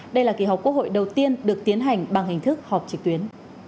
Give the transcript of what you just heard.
đây là kỳ họp quốc hội đầu tiên được tiến hành bằng hình thức họp trực tuyến